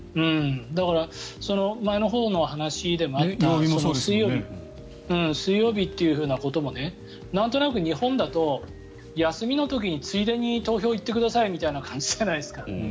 だから前のほうの話でもあった水曜日ということもなんとなく日本だと休みの時についでに投票行ってくださいみたいな感じじゃないですか。